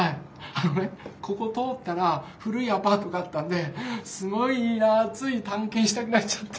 あのねここ通ったら古いアパートがあったんですごいいいなついたんけんしたくなっちゃって。